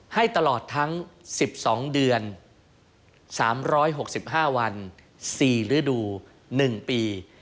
ให้ตลอดทั้ง๑๒เดือน๓๖๕วัน๔ฤดู๑ปี